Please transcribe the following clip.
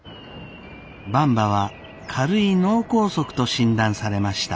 ばんばは軽い脳梗塞と診断されました。